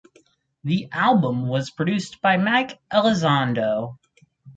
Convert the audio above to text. The album was produced by Mike Elizondo.